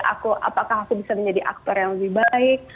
apakah aku bisa menjadi aktor yang lebih baik